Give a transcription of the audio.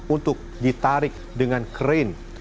untuk ditarik dengan keren